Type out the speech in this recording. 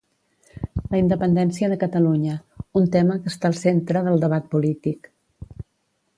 La independència de Catalunya, un tema que està al centre del debat polític